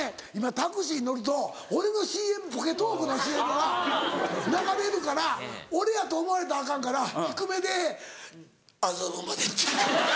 タクシーに乗ると俺のＣＭポケトークのＣＭが流れるから俺やと思われたらアカンから低めで「麻布まで」って。